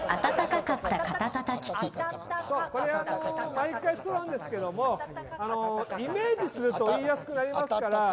毎回そうなんですけどもイメージすると言いやすくなりますから。